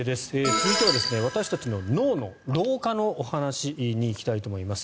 続いては私たちの脳の老化の話に行きたいと思います。